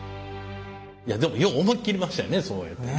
いやでもよう思い切りましたよね。